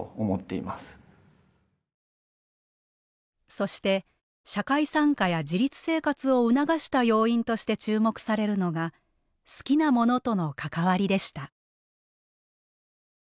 そして社会参加や自立生活を促した要因として注目されるのが好きなものとの関わりでした。